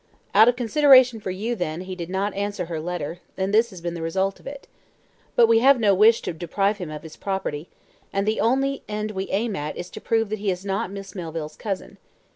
"Out of consideration for you, then, he did not answer her letter, and this has been the result of it. But we have no wish to deprive him of his property; and the only end we aim at is to prove that he is not Miss Melville's cousin.